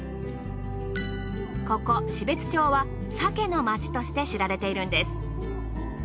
ここ標津町は鮭の町として知られているんです。